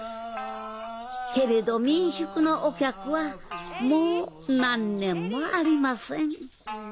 けれど民宿のお客はもう何年もありません。